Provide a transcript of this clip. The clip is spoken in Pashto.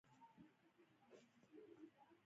ایا زه باید د غوږونو ټسټ وکړم؟